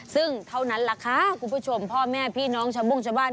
ซึ่งเท่านั้นแหละค่ะคุณผู้ชมพ่อแม่พี่น้องชาวโม่งชาวบ้าน